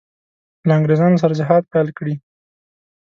له انګرېزانو سره جهاد پیل کړي.